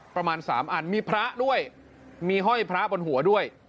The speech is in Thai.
ประมาณ๓อันมีพระด้วยมีห้อยพระบนหัวด้วย